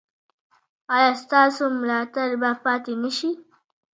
ایا ستاسو ملاتړ به پاتې نه شي؟